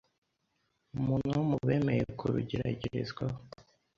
umuntu wo mu bemeye kurugeragerezwaho